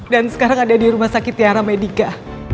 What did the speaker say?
dan sekarang ada di rumah sakit tiara medica